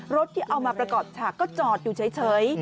ที่เอามาประกอบฉากก็จอดอยู่เฉย